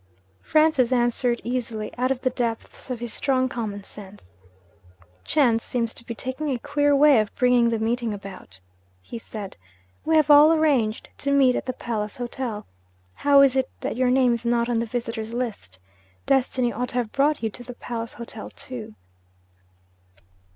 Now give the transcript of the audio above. Francis answered easily, out of the depths of his strong common sense. 'Chance seems to be taking a queer way of bringing the meeting about,' he said. 'We have all arranged to meet at the Palace Hotel. How is it that your name is not on the Visitors' List? Destiny ought to have brought you to the Palace Hotel too.'